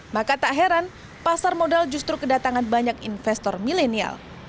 maka tak heran pasar modal justru kedatangan banyak investor milenial